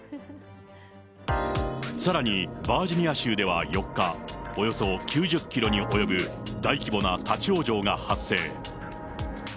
さらにバージニア州では４日、およそ９０キロに及ぶ大規模な立往生が発生。